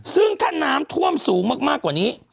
ซึ่งถ้าน้ำท่วมสูงมากกว่านี้